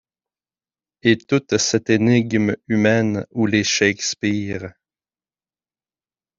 Et toute cette énigme humaine où les Shakspeares